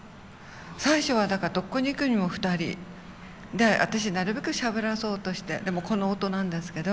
最初はだからどこに行くにも２人で私なるべくしゃべらそうとしてでもこの音なんですけど。